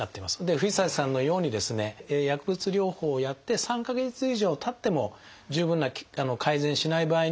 藤崎さんのようにですね薬物療法をやって３か月以上たっても十分な改善しない場合にはですね